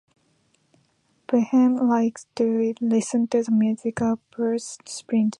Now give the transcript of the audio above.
Boeheim likes to listen to the music of Bruce Springsteen.